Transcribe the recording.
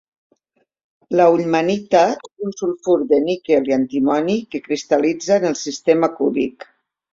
La ullmannita és un sulfur de níquel i antimoni, que cristal·litza en el sistema cúbic.